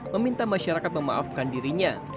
meminta masyarakat memaafkan dirinya